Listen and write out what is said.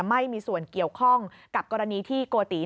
ไม่มีส่วนเกี่ยวข้องกับกรณีที่โกติ